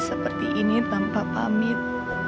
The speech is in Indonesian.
seperti ini tanpa pamit